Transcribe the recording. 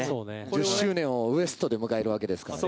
１０周年をＷＥＳＴ．で迎えるわけですからね。